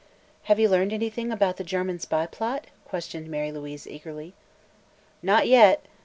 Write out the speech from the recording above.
"Have you learned anything about the German spy plot?" questioned Mary Louise eagerly. "Not yet.